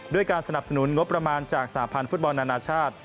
การสนับสนุนงบประมาณจากสหพันธ์ฟุตบอลนานาชาติ